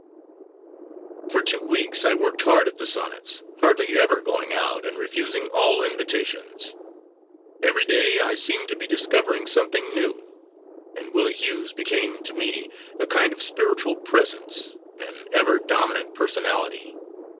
For two weeks I worked hard at the Sonnets, hardly ever going out, and refusing all invitations. Every day I seemed to be discovering something new, and Willie Hughes became to me a kind of spiritual presence, an ever dominant personality.